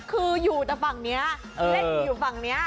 คืออยู่แต่ฝั่งนี้เล่นอยู่ฝั่งนี้